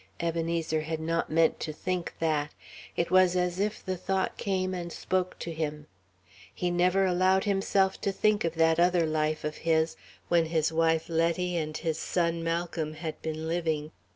Ebenezer had not meant to think that. It was as if the Thought came and spoke to him. He never allowed himself to think of that other life of his, when his wife, Letty, and his son Malcolm had been living.